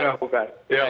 ya kita lakukan